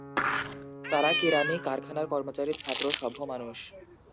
তারা কেরানি, কারখানার কর্মচারী, ছাত্র, সভ্য মানুষ।